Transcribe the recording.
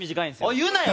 言うなよ！